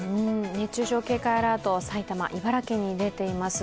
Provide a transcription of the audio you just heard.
熱中症警戒アラート、埼玉、茨城に出ています。